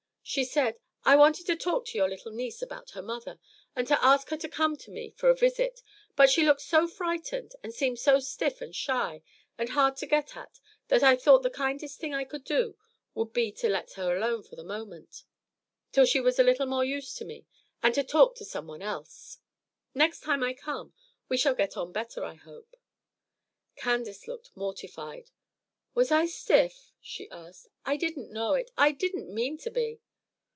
She said: 'I wanted to talk to your niece about her mother, and to ask her to come to me for a visit; but she looked so frightened and seemed so stiff and shy and hard to get at, that I thought the kindest thing I could do would be to let her alone for the moment, till she was a little more used to me, and to talk to some one else. Next time I come, we shall get on better, I hope.'" Candace looked much mortified. "Was I stiff?" she asked. "I didn't know it. I didn't mean to be."